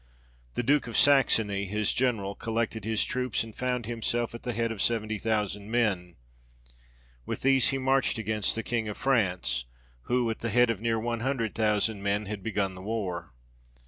The Duke of Saxony, his General, collected his troops, and found himself at the head of seventy thousand men ; with these he marched against the King of France, who, at the head of near one hundred thousand men, had begun the war.